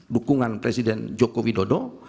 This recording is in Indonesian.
dukungan presiden jokowi dodo